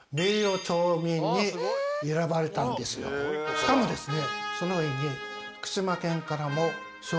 しかもですね